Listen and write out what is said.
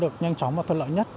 được nhanh chóng và thuận lợi nhất